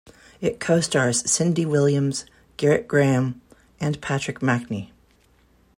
It co-stars Cindy Williams, Gerrit Graham, and Patrick Macnee.